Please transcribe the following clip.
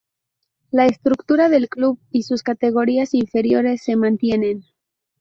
La estructura del club y sus categorías inferiores se mantienen.